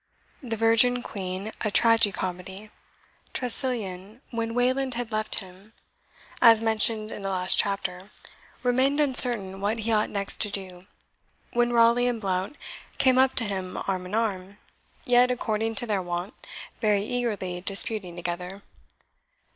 THE VIRGIN QUEEN A TRAGI COMEDY. Tressilian, when Wayland had left him, as mentioned in the last chapter, remained uncertain what he ought next to do, when Raleigh and Blount came up to him arm in arm, yet, according to their wont, very eagerly disputing together.